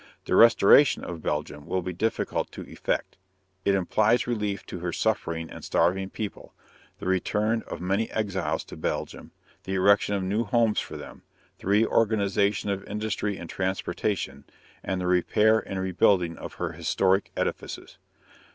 The restoration of Belgium will be difficult to effect. It implies relief to her suffering and starving people, the return of the many exiles to Belgium, the erection of new homes for them, the reorganization of industry and transportation, and the repair and rebuilding of her historic edifices.